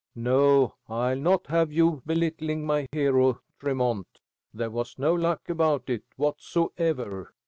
No, I'll not have you belittling my hero, Tremont. There was no luck about it whatsoever.